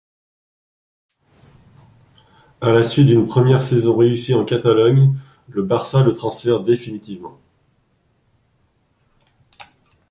À la suite d'une première saison réussie en Catalogne, le Barça le transfère définitivement.